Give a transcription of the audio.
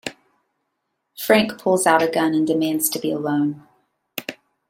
Frank pulls out a gun and demands to be alone.